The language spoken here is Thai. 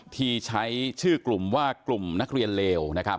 ที่ใช้ชื่อกลุ่มว่ากลุ่มนักเรียนเลว